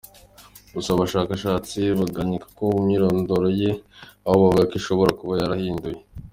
Gusa abashakashatsi bagashidikanya ku myirondoro ye aho bavuga ko ashobora kuba yarayihinduye.